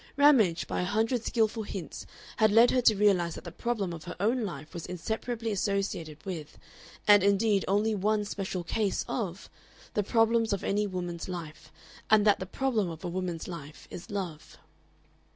Ramage, by a hundred skilful hints had led her to realize that the problem of her own life was inseparably associated with, and indeed only one special case of, the problems of any woman's life, and that the problem of a woman's life is love.